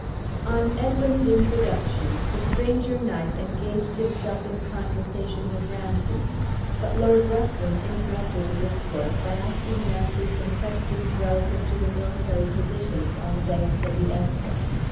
On Edwin's introduction, the stranger knight engaged himself in conversation with Ramsay. But Lord Ruthven interrupted the discourse, by asking Ramsay some questions relative to the military positions on the banks of the Eske.